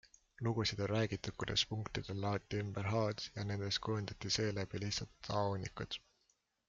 Lugusid on räägitud kuidas punkritele laoti ümber haod ja nendest kujundati seeläbi lihtsalt haohunnikud.